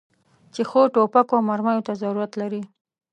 چې ښو توپکو او مرمیو ته ضرورت لري.